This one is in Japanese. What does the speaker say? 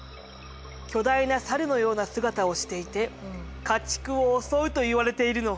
巨大なサルのような姿をしていて家畜を襲うといわれているの。